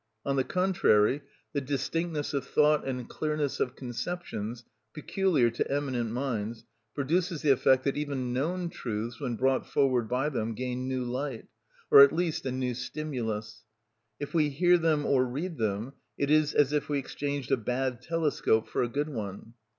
On the contrary, the distinctness of thought and clearness of conceptions peculiar to eminent minds produces the effect that even known truths when brought forward by them gain new light, or at least a new stimulus. If we hear them or read them, it is as if we exchanged a bad telescope for a good one.